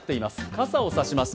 傘を差します。